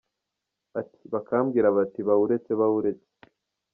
Ati “bakambwira bati ba uretse ba uretse.